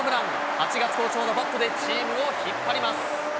８月好調のバットで、チームを引っ張ります。